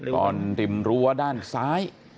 ตอนดินรั้วด้านซ้าย